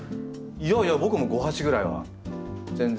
いやいや僕も５鉢ぐらいは全然。